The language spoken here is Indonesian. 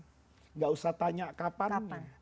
tidak usah tanya kapan